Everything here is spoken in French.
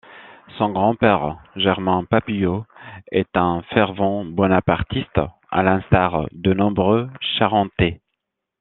Son grand-père, Germain Papillaud, est un fervent bonapartiste, à l'instar de nombreux Charentais.